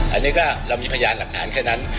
อันนี้ก็เรามีพยานหลักฐานแค่นั้น